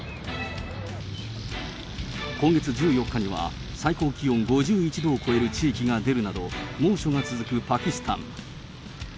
今月１４日には、最高気温５１度を超える地域が出るなど、猛暑が続くパキスタン。